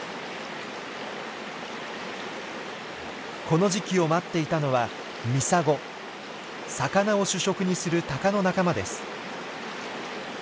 この時期を待っていたのは魚を主食にするタカの仲間です。